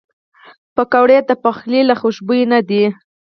پکورې د پخلي له خوشبویو نه دي